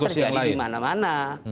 contoh persekusi yang lain